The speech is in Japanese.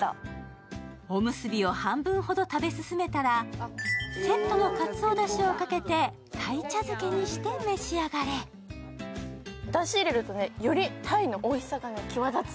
おむすびを半分ほど食べ進めたら、セットのかつおだしをかけて鯛茶漬けにして召し上がれだし入れるとね、より鯛のおいしさが際立つ。